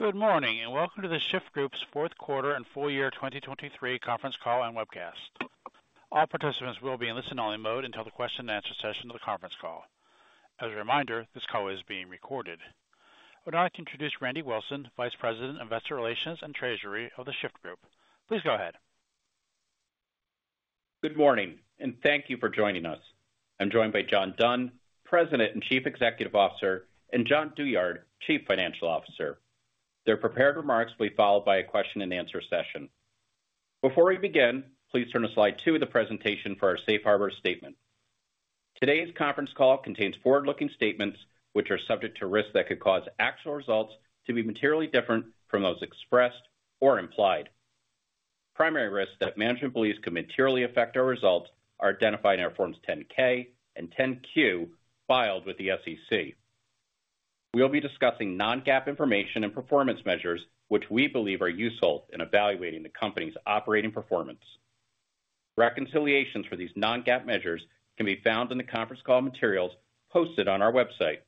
Good morning and welcome to The Shyft Group's fourth quarter and full year 2023 conference call and webcast. All participants will be in listen-only mode until the question-and-answer session of the conference call. As a reminder, this call is being recorded. I would like to introduce Randy Wilson, Vice President, Investor Relations, and Treasury of The Shyft Group. Please go ahead. Good morning, and thank you for joining us. I'm joined by John Dunn, President and Chief Executive Officer, and Jon Douyard, Chief Financial Officer. Their prepared remarks will be followed by a question-and-answer session. Before we begin, please turn to slide two of the presentation for our Safe Harbor statement. Today's conference call contains forward-looking statements which are subject to risks that could cause actual results to be materially different from those expressed or implied. Primary risks that management believes could materially affect our results are identified in our Forms 10-K and 10-Q filed with the SEC. We'll be discussing non-GAAP information and performance measures which we believe are useful in evaluating the company's operating performance. Reconciliations for these non-GAAP measures can be found in the conference call materials posted on our website.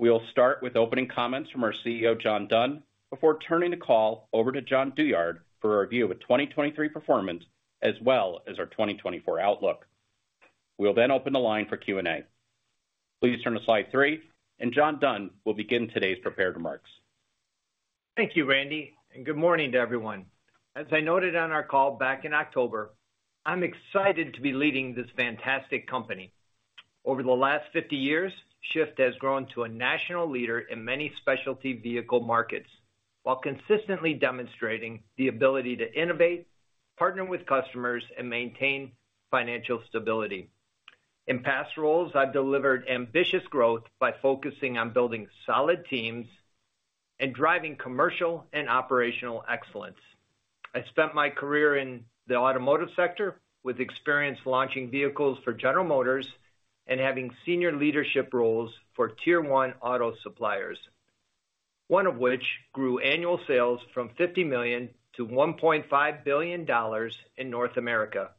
We'll start with opening comments from our CEO, John Dunn, before turning the call over to Jon Douyard for a review of 2023 performance as well as our 2024 outlook. We'll then open the line for Q&A. Please turn to slide three, and John Dunn will begin today's prepared remarks. Thank you, Randy, and good morning to everyone. As I noted on our call back in October, I'm excited to be leading this fantastic company. Over the last 50 years, Shyft has grown to a national leader in many specialty vehicle markets while consistently demonstrating the ability to innovate, partner with customers, and maintain financial stability. In past roles, I've delivered ambitious growth by focusing on building solid teams and driving commercial and operational excellence. I spent my career in the automotive sector with experience launching vehicles for General Motors and having senior leadership roles for Tier 1 auto suppliers, one of which grew annual sales from $50 million-$1.5 billion in North America.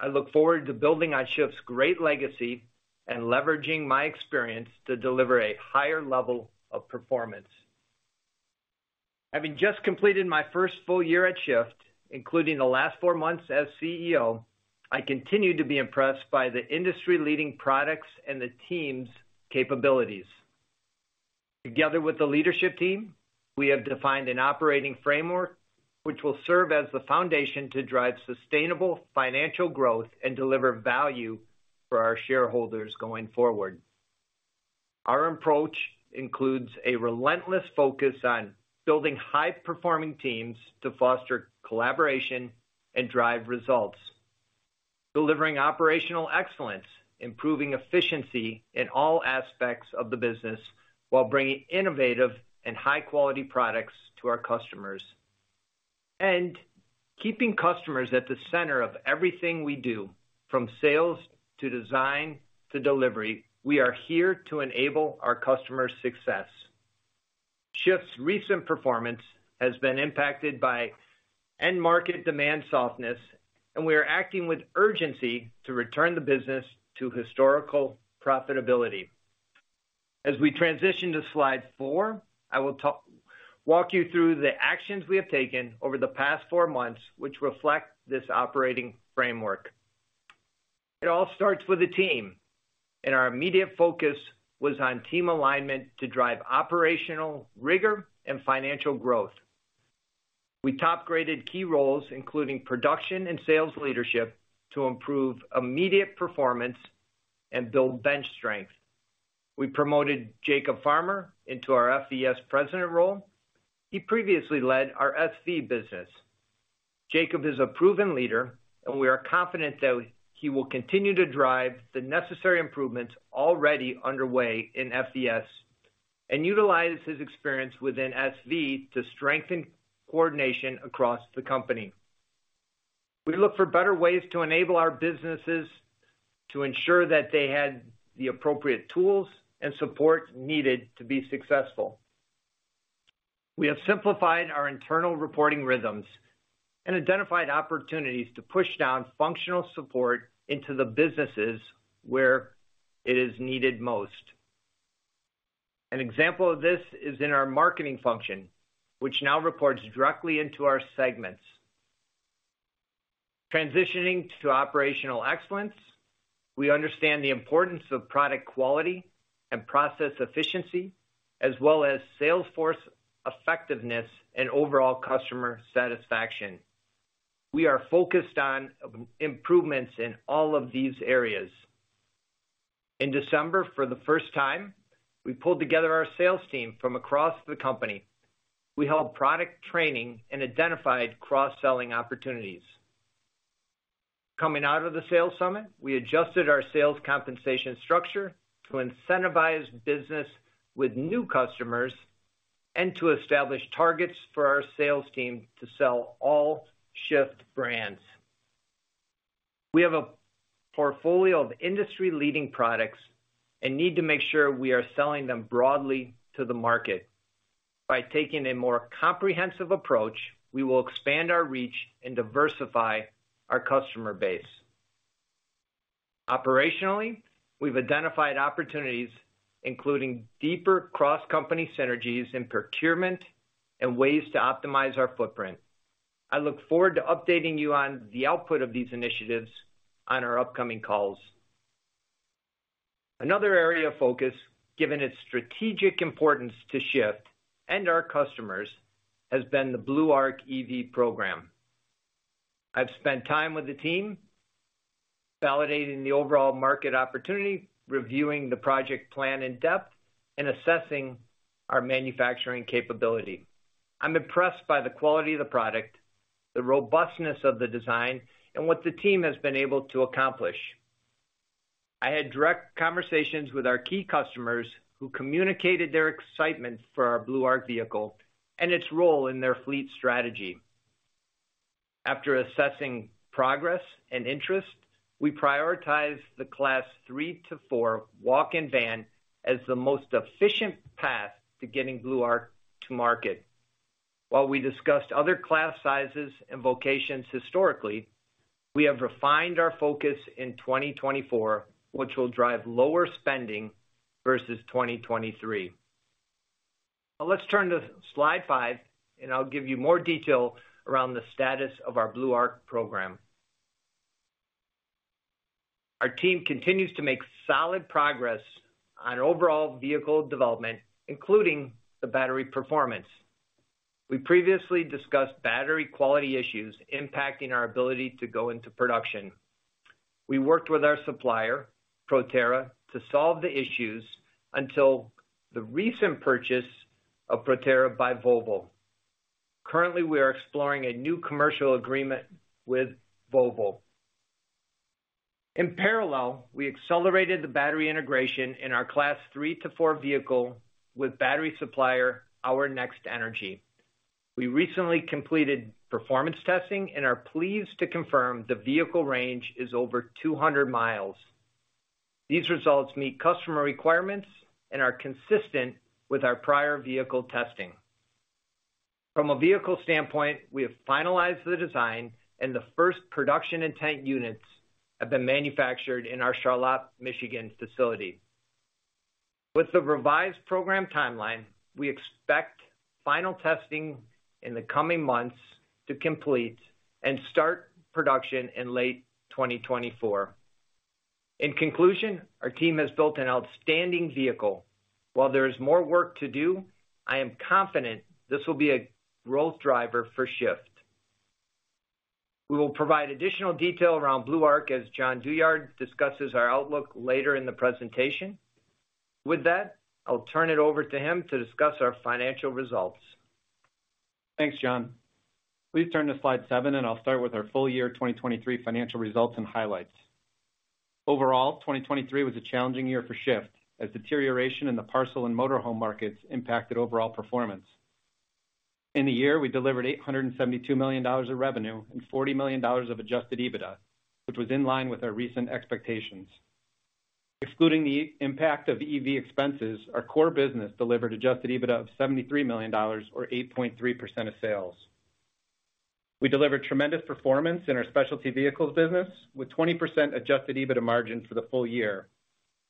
I look forward to building on Shyft's great legacy and leveraging my experience to deliver a higher level of performance. Having just completed my first full year at Shyft, including the last four months as CEO, I continue to be impressed by the industry-leading products and the team's capabilities. Together with the leadership team, we have defined an operating framework which will serve as the foundation to drive sustainable financial growth and deliver value for our shareholders going forward. Our approach includes a relentless focus on building high-performing teams to foster collaboration and drive results, delivering operational excellence, improving efficiency in all aspects of the business while bringing innovative and high-quality products to our customers, and keeping customers at the center of everything we do from sales to design to delivery. We are here to enable our customers' success. Shyft's recent performance has been impacted by end-market demand softness, and we are acting with urgency to return the business to historical profitability. As we transition to slide 4, I will walk you through the actions we have taken over the past 4 months which reflect this operating framework. It all starts with the team, and our immediate focus was on team alignment to drive operational rigor and financial growth. We topgraded key roles including production and sales leadership to improve immediate performance and build bench strength. We promoted Jacob Farmer into our FVS President role. He previously led our SV business. Jacob is a proven leader, and we are confident that he will continue to drive the necessary improvements already underway in FVS and utilize his experience within SV to strengthen coordination across the company. We look for better ways to enable our businesses to ensure that they had the appropriate tools and support needed to be successful. We have simplified our internal reporting rhythms and identified opportunities to push down functional support into the businesses where it is needed most. An example of this is in our marketing function which now reports directly into our segments. Transitioning to operational excellence, we understand the importance of product quality and process efficiency as well as sales force effectiveness and overall customer satisfaction. We are focused on improvements in all of these areas. In December, for the first time, we pulled together our sales team from across the company. We held product training and identified cross-selling opportunities. Coming out of the Sales Summit, we adjusted our sales compensation structure to incentivize business with new customers and to establish targets for our sales team to sell all Shyft brands. We have a portfolio of industry-leading products and need to make sure we are selling them broadly to the market. By taking a more comprehensive approach, we will expand our reach and diversify our customer base. Operationally, we've identified opportunities including deeper cross-company synergies in procurement and ways to optimize our footprint. I look forward to updating you on the output of these initiatives on our upcoming calls. Another area of focus, given its strategic importance to Shyft and our customers, has been the BlueArc EV program. I've spent time with the team validating the overall market opportunity, reviewing the project plan in depth, and assessing our manufacturing capability. I'm impressed by the quality of the product, the robustness of the design, and what the team has been able to accomplish. I had direct conversations with our key customers who communicated their excitement for our BlueArc vehicle and its role in their fleet strategy. After assessing progress and interest, we prioritized the Class 3-4 walk-in van as the most efficient path to getting BlueArc to market. While we discussed other class sizes and vocations historically, we have refined our focus in 2024, which will drive lower spending versus 2023. Let's turn to slide five, and I'll give you more detail around the status of our BlueArc program. Our team continues to make solid progress on overall vehicle development including the battery performance. We previously discussed battery quality issues impacting our ability to go into production. We worked with our supplier, Proterra, to solve the issues until the recent purchase of Proterra by Volvo. Currently, we are exploring a new commercial agreement with Volvo. In parallel, we accelerated the battery integration in our Class 3-4 vehicle with battery supplier Our Next Energy. We recently completed performance testing, and are pleased to confirm the vehicle range is over 200 miles. These results meet customer requirements and are consistent with our prior vehicle testing. From a vehicle standpoint, we have finalized the design, and the first production intent units have been manufactured in our Charlotte, Michigan facility. With the revised program timeline, we expect final testing in the coming months to complete and start production in late 2024. In conclusion, our team has built an outstanding vehicle. While there is more work to do, I am confident this will be a growth driver for Shyft. We will provide additional detail around BlueArc as Jon Douyard discusses our outlook later in the presentation. With that, I'll turn it over to him to discuss our financial results. Thanks, John. Please turn to slide 7, and I'll start with our full year 2023 financial results and highlights. Overall, 2023 was a challenging year for Shyft as deterioration in the parcel and motor home markets impacted overall performance. In the year, we delivered $872 million of revenue and $40 million of Adjusted EBITDA which was in line with our recent expectations. Excluding the impact of EV expenses, our core business delivered Adjusted EBITDA of $73 million or 8.3% of sales. We delivered tremendous performance in our specialty vehicles business with 20% Adjusted EBITDA margin for the full year,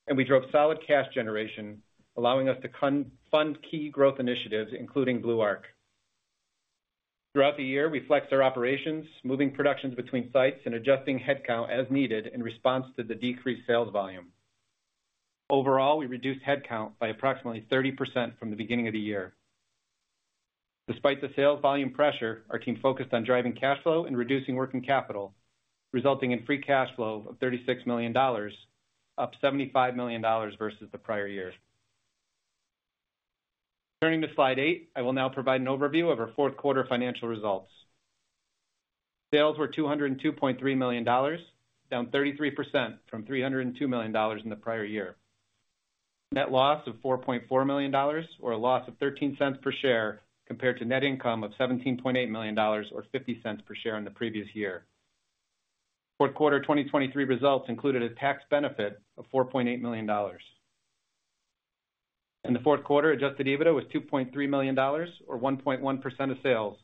and we drove solid cash generation allowing us to fund key growth initiatives including BlueArc. Throughout the year, we flexed our operations, moving productions between sites, and adjusting headcount as needed in response to the decreased sales volume. Overall, we reduced headcount by approximately 30% from the beginning of the year. Despite the sales volume pressure, our team focused on driving cash flow and reducing working capital, resulting in free cash flow of $36 million, up $75 million versus the prior year. Turning to slide 8, I will now provide an overview of our fourth quarter financial results. Sales were $202.3 million, down 33% from $302 million in the prior year. Net loss of $4.4 million, or a loss of $0.13 per share, compared to net income of $17.8 million, or $0.50 per share, in the previous year. Fourth quarter 2023 results included a tax benefit of $4.8 million. In the fourth quarter, Adjusted EBITDA was $2.3 million, or 1.1% of sales,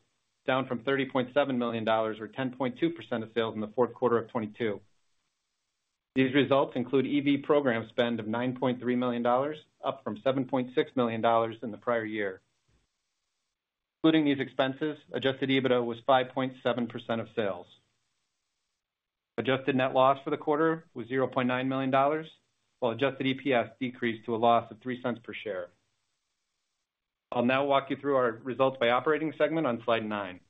down from $30.7 million, or 10.2% of sales, in the fourth quarter of 2022. These results include EV program spend of $9.3 million up from $7.6 million in the prior year. Including these expenses, Adjusted EBITDA was 5.7% of sales. Adjusted net loss for the quarter was $0.9 million while adjusted EPS decreased to a loss of $0.03 per share. I'll now walk you through our results by operating segment on slide 9.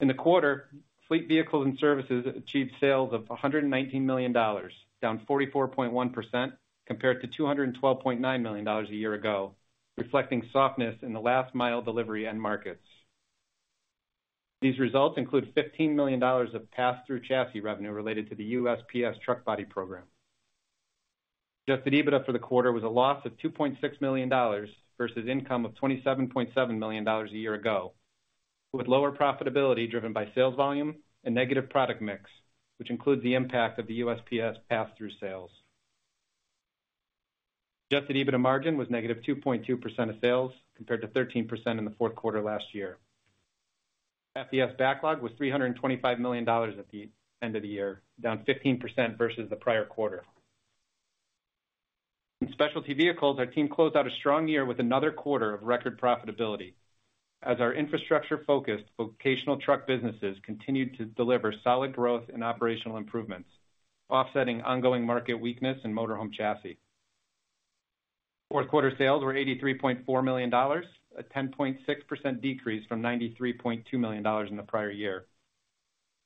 In the quarter, Fleet Vehicles and Services achieved sales of $119 million down 44.1% compared to $212.9 million a year ago reflecting softness in the last-mile delivery end markets. These results include $15 million of pass-through chassis revenue related to the USPS truck body program. Adjusted EBITDA for the quarter was a loss of $2.6 million versus income of $27.7 million a year ago with lower profitability driven by sales volume and negative product mix which includes the impact of the USPS pass-through sales. Adjusted EBITDA margin was negative 2.2% of sales compared to 13% in the fourth quarter last year. FVS backlog was $325 million at the end of the year down 15% versus the prior quarter. In specialty vehicles, our team closed out a strong year with another quarter of record profitability as our infrastructure-focused vocational truck businesses continued to deliver solid growth and operational improvements offsetting ongoing market weakness in motor home chassis. Fourth quarter sales were $83.4 million, a 10.6% decrease from $93.2 million in the prior year.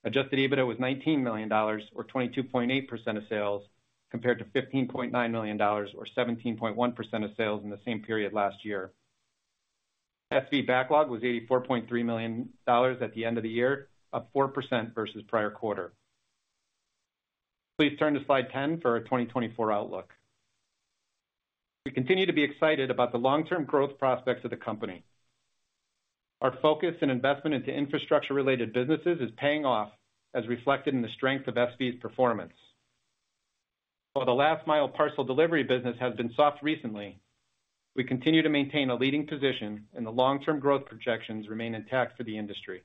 Adjusted EBITDA was $19 million or 22.8% of sales compared to $15.9 million or 17.1% of sales in the same period last year. SV backlog was $84.3 million at the end of the year up 4% versus prior quarter. Please turn to slide 10 for our 2024 outlook. We continue to be excited about the long-term growth prospects of the company. Our focus and investment into infrastructure-related businesses is paying off as reflected in the strength of SV's performance. While the last-mile parcel delivery business has been soft recently, we continue to maintain a leading position, and the long-term growth projections remain intact for the industry.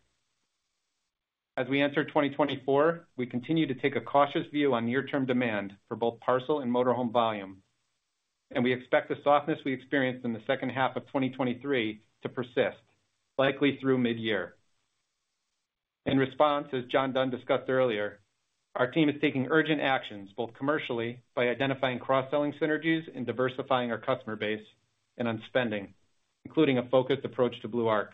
As we enter 2024, we continue to take a cautious view on near-term demand for both parcel and motor home volume, and we expect the softness we experienced in the second half of 2023 to persist likely through mid-year. In response, as John Dunn discussed earlier, our team is taking urgent actions both commercially by identifying cross-selling synergies and diversifying our customer base and on spending including a focused approach to BlueArc.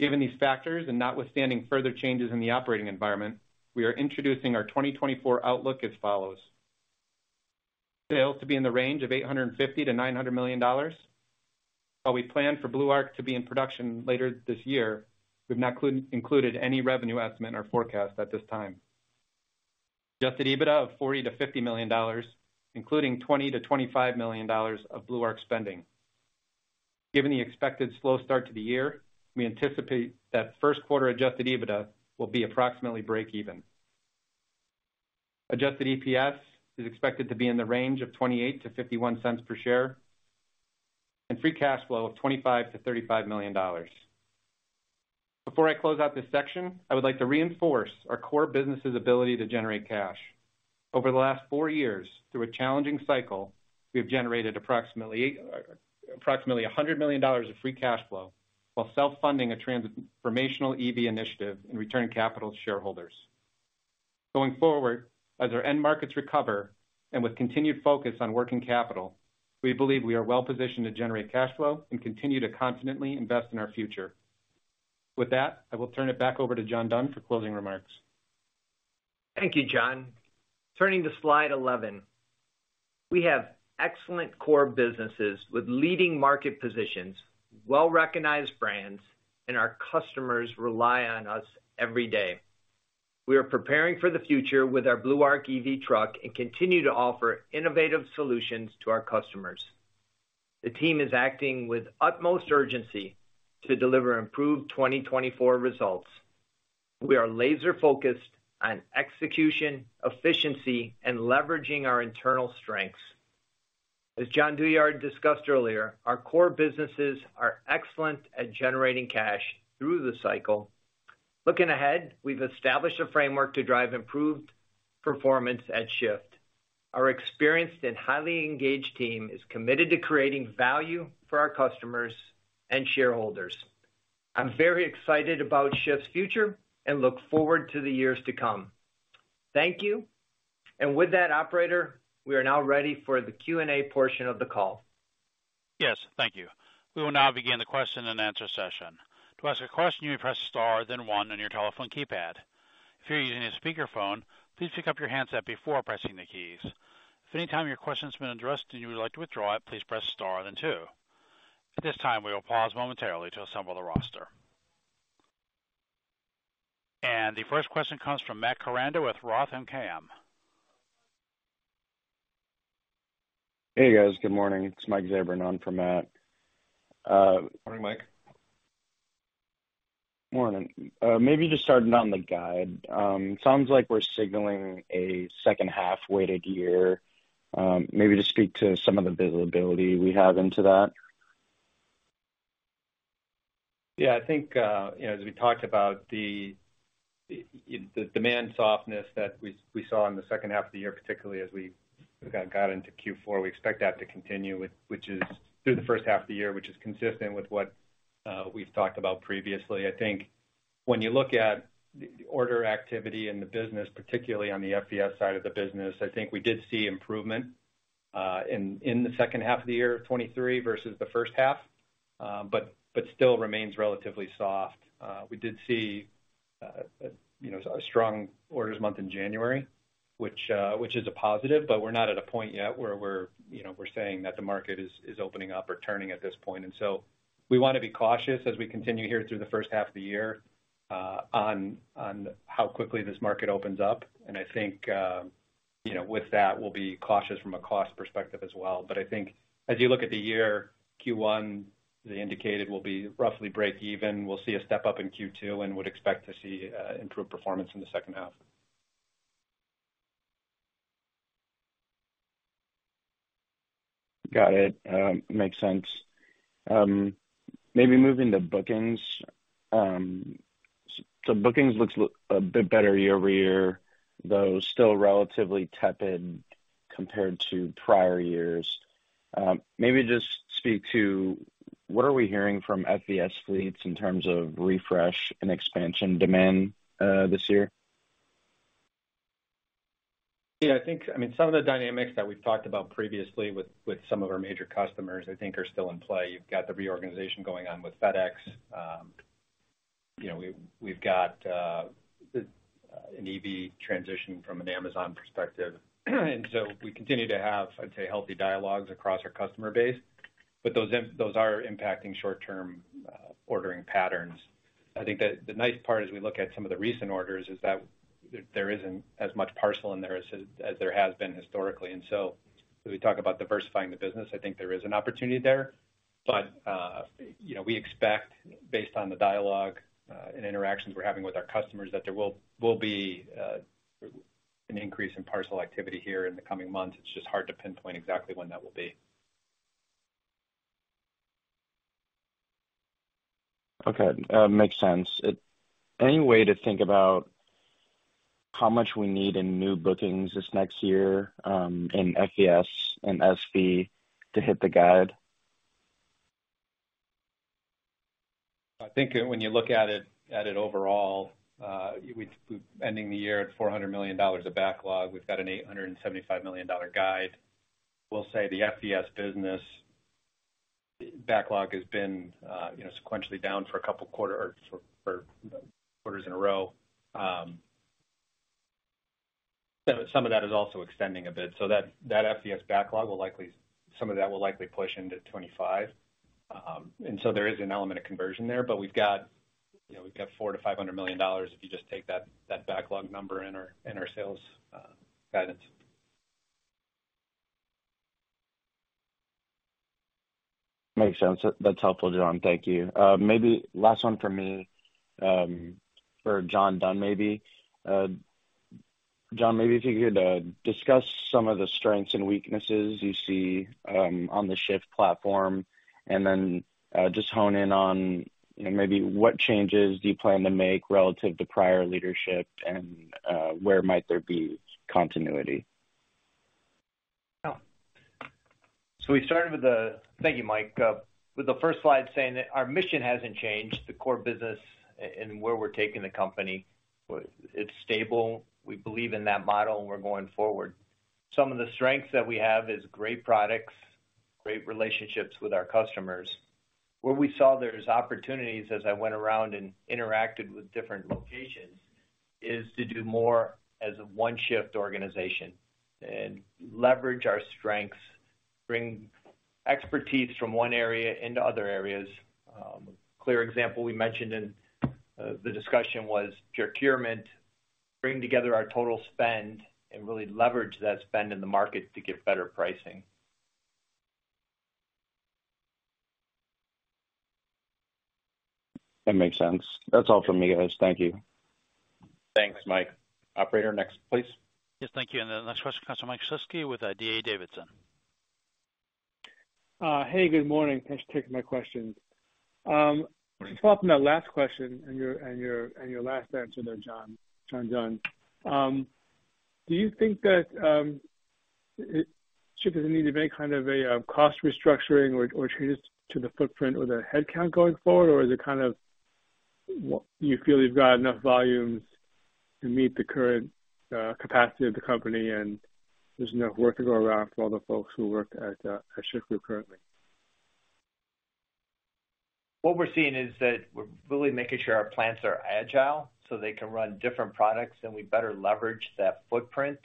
Given these factors and notwithstanding further changes in the operating environment, we are introducing our 2024 outlook as follows. Sales to be in the range of $850-$900 million. While we plan for BlueArc to be in production later this year, we've not included any revenue estimate or forecast at this time. Adjusted EBITDA of $40-$50 million including $20-$25 million of BlueArc spending. Given the expected slow start to the year, we anticipate that first quarter Adjusted EBITDA will be approximately break-even. Adjusted EPS is expected to be in the range of $0.28-$0.51 per share and free cash flow of $25-$35 million. Before I close out this section, I would like to reinforce our core business's ability to generate cash. Over the last four years through a challenging cycle, we have generated approximately $100 million of free cash flow while self-funding a transformational EV initiative and returning capital to shareholders. Going forward, as our end markets recover and with continued focus on working capital, we believe we are well-positioned to generate cash flow and continue to confidently invest in our future. With that, I will turn it back over to John Dunn for closing remarks. Thank you, John. Turning to slide 11. We have excellent core businesses with leading market positions, well-recognized brands, and our customers rely on us every day. We are preparing for the future with our BlueArc EV truck and continue to offer innovative solutions to our customers. The team is acting with utmost urgency to deliver improved 2024 results. We are laser-focused on execution, efficiency, and leveraging our internal strengths. As Jon Douyard discussed earlier, our core businesses are excellent at generating cash through the cycle. Looking ahead, we've established a framework to drive improved performance at Shyft. Our experienced and highly engaged team is committed to creating value for our customers and shareholders. I'm very excited about Shyft's future and look forward to the years to come. Thank you. And with that, operator, we are now ready for the Q&A portion of the call. Yes. Thank you. We will now begin the question and answer session. To ask a question, you may press star then one on your telephone keypad. If you're using a speakerphone, please pick up your handset before pressing the keys. If at any time your question has been addressed and you would like to withdraw it, please press star then two. At this time, we will pause momentarily to assemble the roster. The first question comes from Matt Koranda with Roth MKM. Hey, guys. Good morning. It's Mike Zabran. I'm from Matt. Morning, Mike. Morning. Maybe just starting on the guide. Sounds like we're signaling a second-half weighted year, maybe to speak to some of the visibility we have into that. Yeah. I think as we talked about, the demand softness that we saw in the second half of the year particularly as we got into Q4, we expect that to continue through the first half of the year which is consistent with what we've talked about previously. I think when you look at the order activity in the business particularly on the FVS side of the business, I think we did see improvement in the second half of the year of 2023 versus the first half but still remains relatively soft. We did see a strong orders month in January which is a positive, but we're not at a point yet where we're saying that the market is opening up or turning at this point. And so we want to be cautious as we continue here through the first half of the year on how quickly this market opens up. I think with that, we'll be cautious from a cost perspective as well. I think as you look at the year, Q1, as I indicated, will be roughly break-even. We'll see a step up in Q2 and would expect to see improved performance in the second half. Got it. Makes sense. Maybe moving to bookings. So bookings look a bit better year-over-year though still relatively tepid compared to prior years. Maybe just speak to what are we hearing from FVS fleets in terms of refresh and expansion demand this year? Yeah. I mean, some of the dynamics that we've talked about previously with some of our major customers, I think, are still in play. You've got the reorganization going on with FedEx. We've got an EV transition from an Amazon perspective. And so we continue to have, I'd say, healthy dialogues across our customer base, but those are impacting short-term ordering patterns. I think the nice part as we look at some of the recent orders is that there isn't as much parcel in there as there has been historically. And so as we talk about diversifying the business, I think there is an opportunity there. But we expect based on the dialogue and interactions we're having with our customers that there will be an increase in parcel activity here in the coming months. It's just hard to pinpoint exactly when that will be. Okay. Makes sense. Any way to think about how much we need in new bookings this next year in FVS and SV to hit the guide? I think when you look at it overall, ending the year at $400 million of backlog, we've got an $875 million guide. We'll say the FVS business backlog has been sequentially down for a couple quarters in a row. Some of that is also extending a bit. So that FVS backlog will likely, some of that will likely push into 2025. And so there is an element of conversion there, but we've got $400 million-$500 million if you just take that backlog number in our sales guidance. Makes sense. That's helpful, John. Thank you. Maybe last one from me for John Dunn maybe. John, maybe if you could discuss some of the strengths and weaknesses you see on the Shyft platform and then just hone in on maybe what changes do you plan to make relative to prior leadership and where might there be continuity? So we started with the thank you, Mike. With the first slide saying that our mission hasn't changed, the core business and where we're taking the company. It's stable. We believe in that model, and we're going forward. Some of the strengths that we have is great products, great relationships with our customers. Where we saw there's opportunities as I went around and interacted with different locations is to do more as a one Shyft organization and leverage our strengths, bring expertise from one area into other areas. A clear example we mentioned in the discussion was procurement, bring together our total spend, and really leverage that spend in the market to get better pricing. That makes sense. That's all from me, guys. Thank you. Thanks, Mike. Operator, next, please. Yes. Thank you. The next question, Mike Shlisky with D.A. Davidson. Hey. Good morning. Thanks for taking my question. Just popping that last question and your last answer there, John Dunn. Do you think that Shyft is in need of any kind of a cost restructuring or changes to the footprint or the headcount going forward, or is it kind of you feel you've got enough volumes to meet the current capacity of the company and there's enough work to go around for all the folks who work at The Shyft Group currently? What we're seeing is that we're really making sure our plants are agile so they can run different products, and we better leverage that footprint.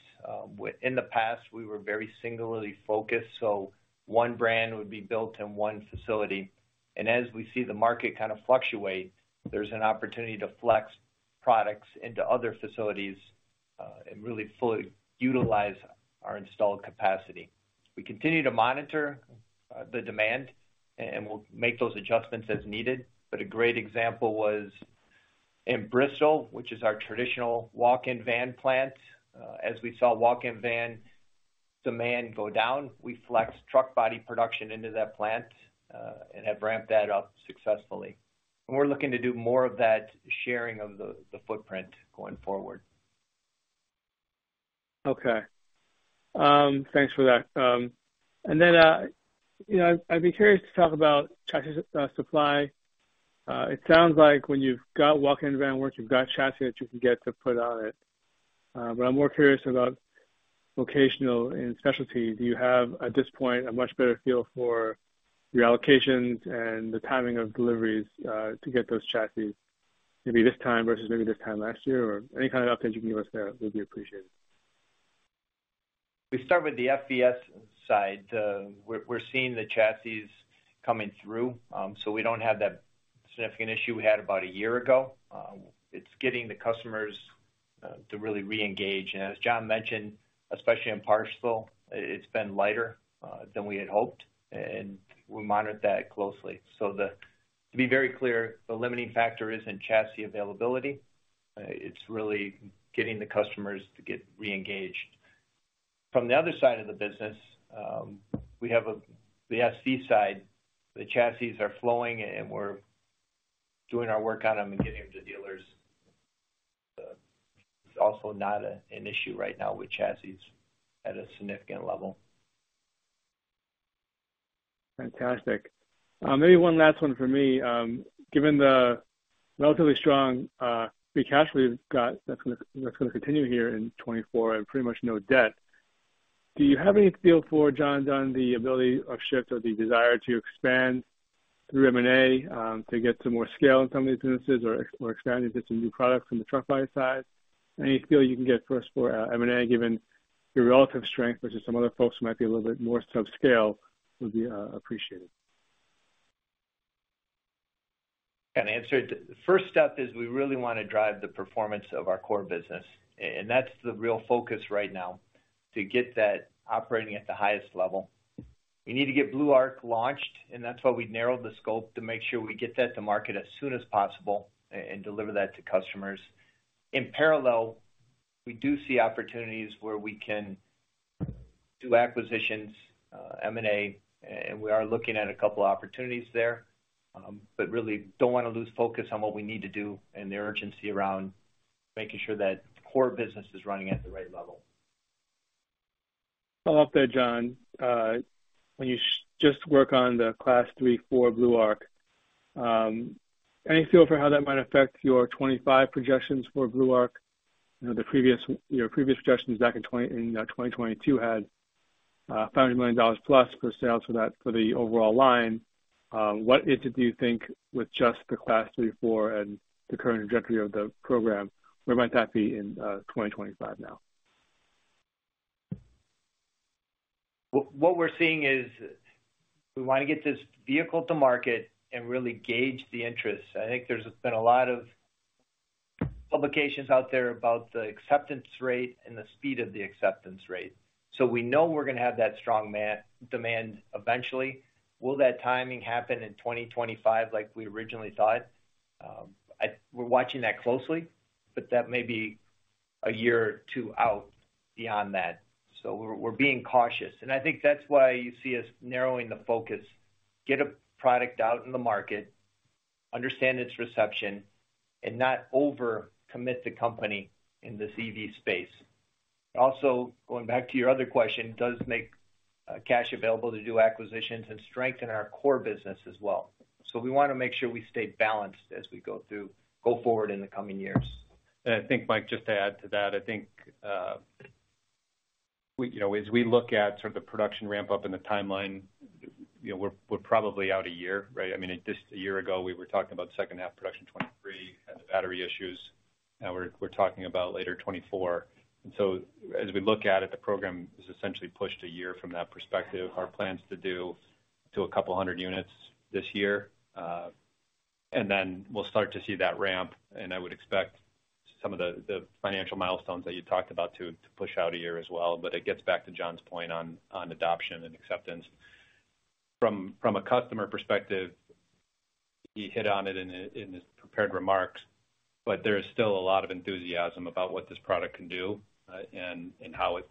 In the past, we were very singularly focused, so one brand would be built in one facility. As we see the market kind of fluctuate, there's an opportunity to flex products into other facilities and really fully utilize our installed capacity. We continue to monitor the demand, and we'll make those adjustments as needed. A great example was in Bristol, which is our traditional walk-in van plant. As we saw walk-in van demand go down, we flexed truck body production into that plant and have ramped that up successfully. We're looking to do more of that sharing of the footprint going forward. Okay. Thanks for that. And then I'd be curious to talk about chassis supply. It sounds like when you've got walk-in van work, you've got chassis that you can get to put on it. But I'm more curious about vocational and specialty. Do you have at this point a much better feel for your allocations and the timing of deliveries to get those chassis maybe this time versus maybe this time last year? Or any kind of update you can give us there would be appreciated. We start with the FVS side. We're seeing the chassis coming through, so we don't have that significant issue we had about a year ago. It's getting the customers to really re-engage. And as John mentioned, especially in parcel, it's been lighter than we had hoped, and we monitor that closely. So to be very clear, the limiting factor isn't chassis availability. It's really getting the customers to get re-engaged. From the other side of the business, we have the SV side. The chassis are flowing, and we're doing our work on them and getting them to dealers. It's also not an issue right now with chassis at a significant level. Fantastic. Maybe one last one from me. Given the relatively strong free cash flow you've got that's going to continue here in 2024 and pretty much no debt, do you have any feel for, John Dunn, the ability of Shyft or the desire to expand through M&A to get some more scale in some of these businesses or expand into some new products from the truck body side? Any feel you can get first for M&A given your relative strength versus some other folks who might be a little bit more subscale would be appreciated? Can I answer it? The first step is we really want to drive the performance of our core business, and that's the real focus right now, to get that operating at the highest level. We need to get BlueArc launched, and that's why we narrowed the scope to make sure we get that to market as soon as possible and deliver that to customers. In parallel, we do see opportunities where we can do acquisitions, M&A, and we are looking at a couple opportunities there but really don't want to lose focus on what we need to do and the urgency around making sure that core business is running at the right level. Follow up there, John. When you just work on the Class 3-4 BlueArc, any feel for how that might affect your 2025 projections for BlueArc? Your previous projections back in 2022 had $500 million+ for sales for the overall line. What is it do you think with just the Class 3-4 and the current trajectory of the program? Where might that be in 2025 now? What we're seeing is we want to get this vehicle to market and really gauge the interest. I think there's been a lot of publications out there about the acceptance rate and the speed of the acceptance rate. So we know we're going to have that strong demand eventually. Will that timing happen in 2025 like we originally thought? We're watching that closely, but that may be a year or two out beyond that. So we're being cautious. And I think that's why you see us narrowing the focus: get a product out in the market, understand its reception, and not overcommit the company in this EV space. Also, going back to your other question, does make cash available to do acquisitions and strengthen our core business as well? So we want to make sure we stay balanced as we go forward in the coming years. I think, Mike, just to add to that, I think as we look at sort of the production ramp-up and the timeline, we're probably out a year, right? I mean, just a year ago, we were talking about second-half production 2023 had the battery issues. Now we're talking about later 2024. And so as we look at it, the program is essentially pushed a year from that perspective. Our plans to do to 200 units this year. And then we'll start to see that ramp, and I would expect some of the financial milestones that you talked about to push out a year as well. But it gets back to John's point on adoption and acceptance. From a customer perspective, he hit on it in his prepared remarks, but there is still a lot of enthusiasm about what this product can do and how it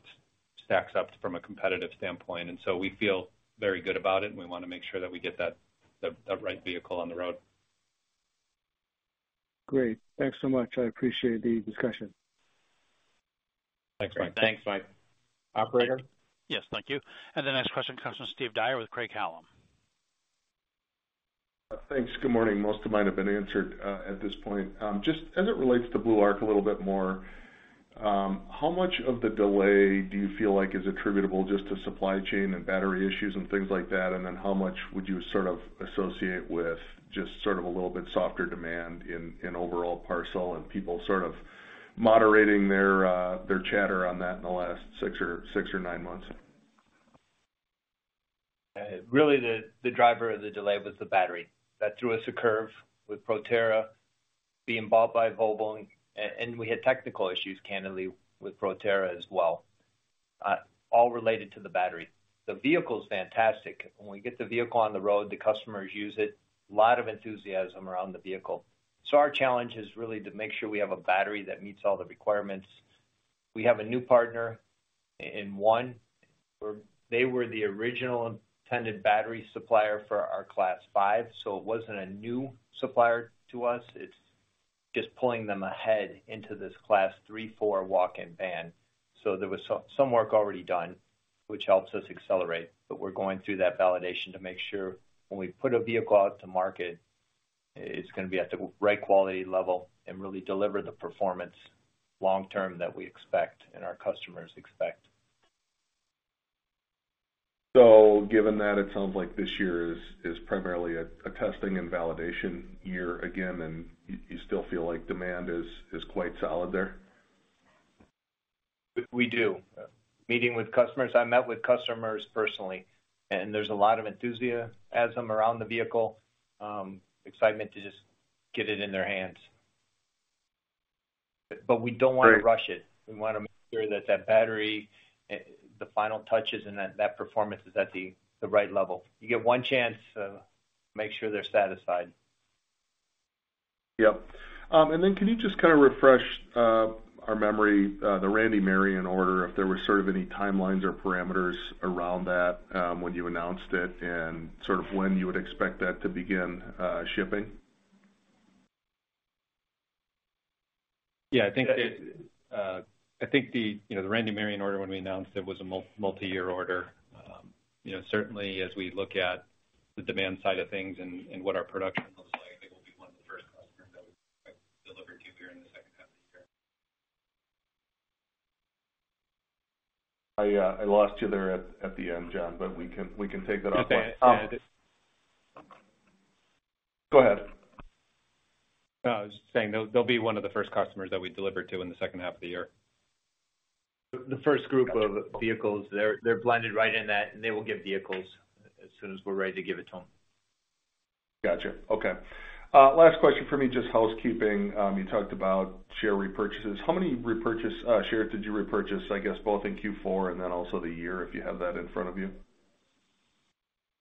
stacks up from a competitive standpoint. And so we feel very good about it, and we want to make sure that we get that right vehicle on the road. Great. Thanks so much. I appreciate the discussion. Thanks, Mike. Great. Thanks, Mike. Operator? Yes. Thank you. The next question, analyst Steve Dyer with Craig-Hallum. Thanks. Good morning. Most of mine have been answered at this point. Just as it relates to BlueArc a little bit more, how much of the delay do you feel like is attributable just to supply chain and battery issues and things like that, and then how much would you sort of associate with just sort of a little bit softer demand in overall parcel and people sort of moderating their chatter on that in the last six or nine months? Really, the driver of the delay was the battery. That threw us a curve with Proterra, being bought by Volvo. We had technical issues, candidly, with Proterra as well, all related to the battery. The vehicle's fantastic. When we get the vehicle on the road, the customers use it. A lot of enthusiasm around the vehicle. So our challenge is really to make sure we have a battery that meets all the requirements. We have a new partner in ONE. They were the original intended battery supplier for our Class 5, so it wasn't a new supplier to us. It's just pulling them ahead into this Class 3-4 walk-in van. So there was some work already done, which helps us accelerate, but we're going through that validation to make sure when we put a vehicle out to market, it's going to be at the right quality level and really deliver the performance long-term that we expect and our customers expect. Given that, it sounds like this year is primarily a testing and validation year again, and you still feel like demand is quite solid there? We do. Meeting with customers, I met with customers personally, and there's a lot of enthusiasm around the vehicle, excitement to just get it in their hands. But we don't want to rush it. We want to make sure that that battery, the final touches, and that performance is at the right level. You get one chance, make sure they're satisfied. Yep. And then can you just kind of refresh our memory, the Amazon, in order if there were sort of any timelines or parameters around that when you announced it and sort of when you would expect that to begin shipping? Yeah. I think the Amazon order, when we announced it, was a multi-year order. Certainly, as we look at the demand side of things and what our production looks like, they will be one of the first customers that we deliver to here in the second half of the year. I lost you there at the end, John, but we can take that offline. You're saying that it. Go ahead. No. I was just saying they'll be one of the first customers that we deliver to in the second half of the year. The first group of vehicles, they're blended right in that, and they will give vehicles as soon as we're ready to give it to them. Gotcha. Okay. Last question from me, just housekeeping. You talked about share repurchases. How many shares did you repurchase, I guess, both in Q4 and then also the year if you have that in front of you?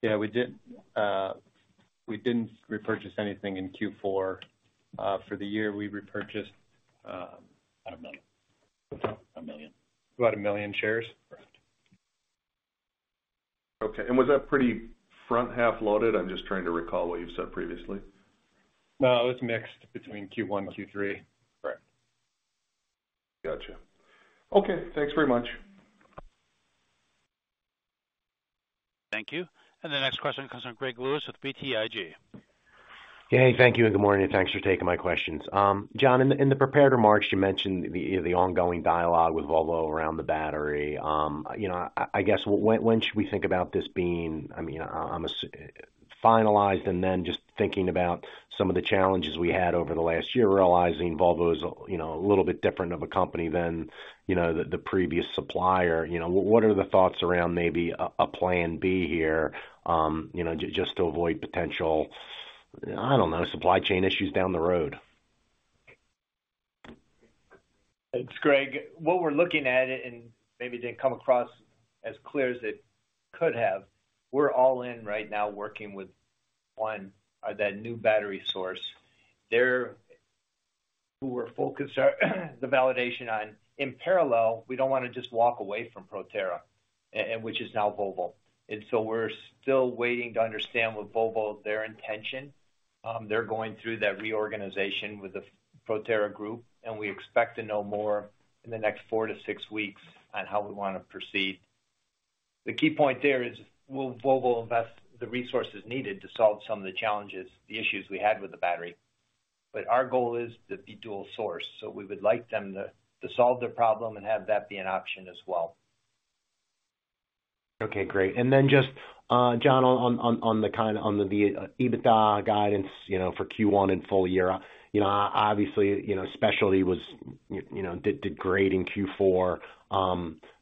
Yeah. We didn't repurchase anything in Q4. For the year, we repurchased - I don't know - $1 million. About 1 million shares? Correct. Okay. Was that pretty front-half loaded? I'm just trying to recall what you've said previously. No. It was mixed between Q1, Q3. Correct. Gotcha. Okay. Thanks very much. Thank you. The next question comes from Greg Lewis with BTIG. Yeah. Hey. Thank you and good morning. Thanks for taking my questions. John, in the prepared remarks, you mentioned the ongoing dialogue with Volvo around the battery. I guess when should we think about this being finalized? I mean, and then just thinking about some of the challenges we had over the last year, realizing Volvo is a little bit different of a company than the previous supplier? What are the thoughts around maybe a plan B here just to avoid potential - I don't know - supply chain issues down the road? It's Greg. What we're looking at - and maybe it didn't come across as clear as it could have - we're all in right now working with one, that new battery source. They're who we're focused the validation on. In parallel, we don't want to just walk away from Proterra, which is now Volvo. And so we're still waiting to understand with Volvo their intention. They're going through that reorganization with the Proterra Group, and we expect to know more in the next 4-6 weeks on how we want to proceed. The key point there is will Volvo invest the resources needed to solve some of the challenges, the issues we had with the battery? But our goal is to be dual source. So we would like them to solve their problem and have that be an option as well. Okay. Great. And then just, John, on the EBITDA guidance for Q1 and full year, obviously, specialty did great in Q4.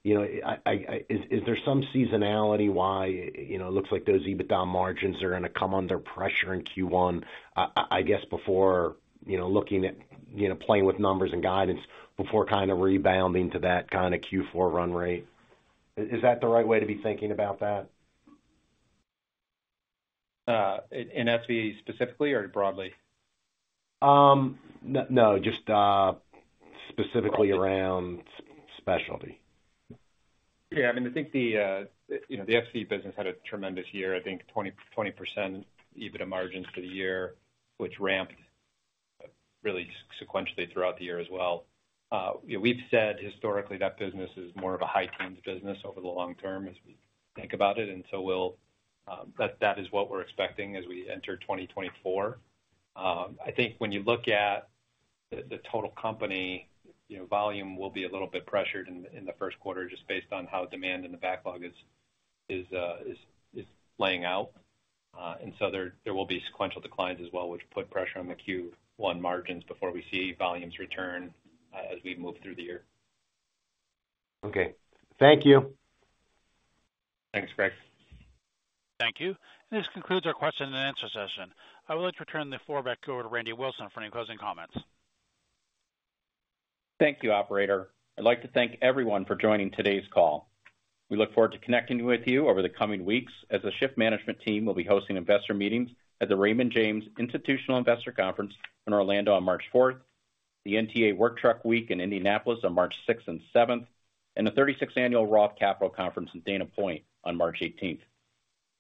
Is there some seasonality why it looks like those EBITDA margins are going to come under pressure in Q1, I guess, before looking at playing with numbers and guidance before kind of rebounding to that kind of Q4 run rate? Is that the right way to be thinking about that? In SV specifically or broadly? No. Just specifically around specialty. Yeah. I mean, I think the SV business had a tremendous year. I think 20% EBITDA margins for the year, which ramped really sequentially throughout the year as well. We've said historically that business is more of a high-teens business over the long term as we think about it. And so that is what we're expecting as we enter 2024. I think when you look at the total company, volume will be a little bit pressured in the first quarter just based on how demand in the backlog is laying out. And so there will be sequential declines as well, which put pressure on the Q1 margins before we see volumes return as we move through the year. Okay. Thank you. Thanks, Greg. Thank you. This concludes our question and answer session. I would like to return the floor back over to Randy Wilson for any closing comments. Thank you, Operator. I'd like to thank everyone for joining today's call. We look forward to connecting with you over the coming weeks as the Shyft Management Team will be hosting investor meetings at the Raymond James Institutional Investor Conference in Orlando on March 4th, the NTEA Work Truck Week in Indianapolis on March 6th and 7th, and the 36th Annual Roth Capital Conference in Dana Point on March 18th.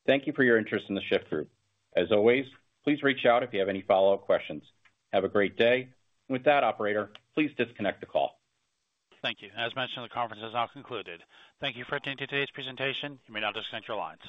Thank you for your interest in the Shyft Group. As always, please reach out if you have any follow-up questions. Have a great day. And with that, Operator, please disconnect the call. Thank you. As mentioned, the conference has now concluded. Thank you for attending today's presentation. You may now disconnect your lines.